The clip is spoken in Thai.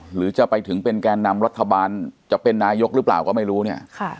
หรือจะไปถึงเป็นแก่นำรัฐบาลจะเป็นนายกหรือเปล่าก็ไม่รู้เนี่ย